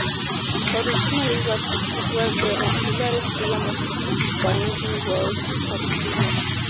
Originally It was the auxiliary stadium of Gwangju World Cup Stadium.